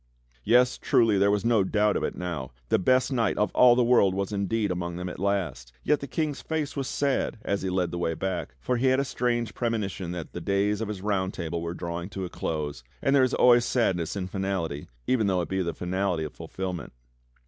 Yes, truly, there was no doubt qf it now; the best knight of all the world was indeed among them at last! Yet the King's face was sad as he led the way back, for he had a strange premonition that the days of his Round Table were drawing to a close, and there is always sadness in finality even though it be the finality of fulfill ment.